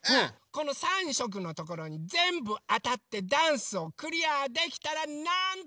この３しょくのところにぜんぶあたってダンスをクリアできたらなんと！